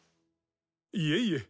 いえいえ。